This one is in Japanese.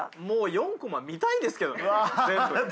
もう４コマ見たいですけどね